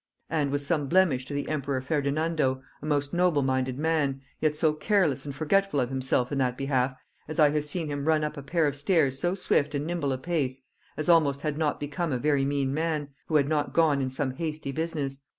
And was some blemish to the emperor Ferdinando, a most noble minded man, yet so careless and forgetful of himself in that behalf, as I have seen him run up a pair of stairs so swift and nimble a pace, as almost had not become a very mean man, who had not gone in some hasty business."